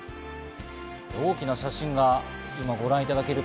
大きな写真が、今、ご覧いただけると